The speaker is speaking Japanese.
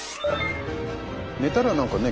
寝たら何かね